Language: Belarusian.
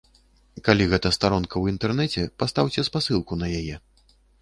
Калі гэта старонка ў інтэрнэце, пастаўце спасылку на яе.